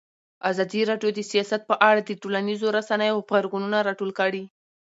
ازادي راډیو د سیاست په اړه د ټولنیزو رسنیو غبرګونونه راټول کړي.